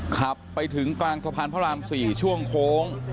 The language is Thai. ขับไปถึงกลางสะพานพระราม๔ช่วงโค้ง